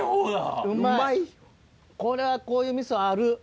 これはこういう味噌ある。